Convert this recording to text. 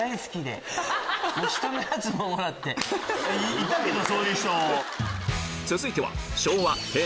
いたけどそういう人。